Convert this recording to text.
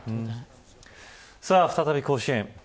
さあ、再び甲子園。